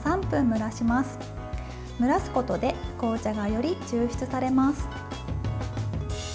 蒸らすことで紅茶が、より抽出されます。